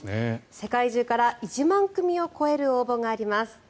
世界中から１万組を超える応募があります。